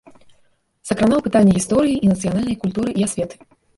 Закранаў пытанні гісторыі нацыянальнай культуры і асветы.